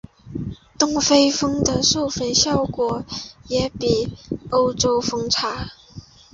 东非蜂的授粉效果也比欧洲蜂差。